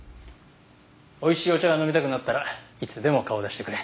おいしいお茶が飲みたくなったらいつでも顔出してくれ。